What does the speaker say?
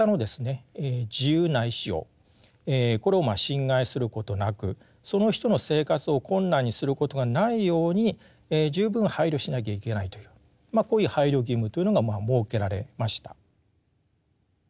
自由な意思をこれを侵害することなくその人の生活を困難にすることがないように十分配慮しなきゃいけないというこういう配慮義務というのがまあ設けられました。